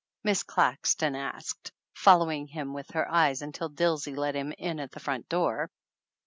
Miss Claxton asked, following him with her eyes until Dilsey let him in at the front door.